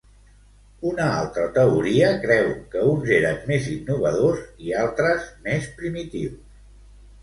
Una altra teoria creu que uns eren més innovadors, i altres més primitius.